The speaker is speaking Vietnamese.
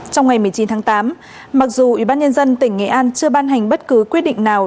trong ngày một mươi chín tháng tám mặc dù ủy ban nhân dân tỉnh nghệ an chưa ban hành bất cứ quyết định nào